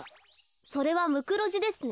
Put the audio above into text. それはムクロジですね。